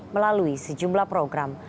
melalui sejumlah program